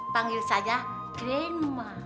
panggil saja grenma